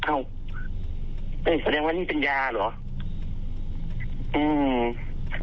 อ้าวประแยงว่านี่เป็นยาหรือ